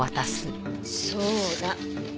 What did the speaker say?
そうだ。